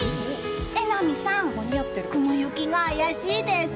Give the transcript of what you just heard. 榎並さん、雲行きが怪しいです。